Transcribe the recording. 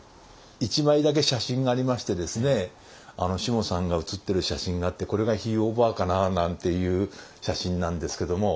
１枚だけ写真がありましてですねしもさんが写ってる写真があってこれがひいおばあかな？なんていう写真なんですけども。